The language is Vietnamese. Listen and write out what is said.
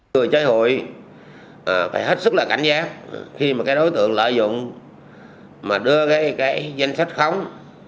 người chơi hụi phải hết sức là cảnh giác khi mà cái đối tượng lợi dụng mà đưa cái danh sách khống